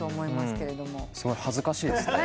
すごい恥ずかしいですね。